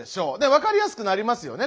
分かりやすくなりますよね